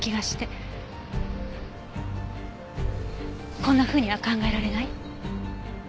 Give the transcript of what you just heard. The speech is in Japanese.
こんなふうには考えられない？